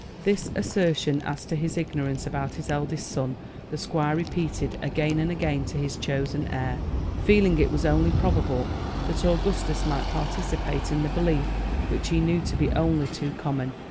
This assertion as to his ignorance about his eldest son the squire repeated again and again to his chosen heir, feeling it was only probable that Augustus might participate in the belief which he knew to be only too common.